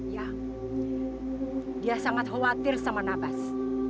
ya dia sangat khawatir sama nabas